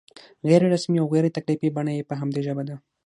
غیر رسمي او غیر تکلفي بڼه یې په همدې ژبه ده.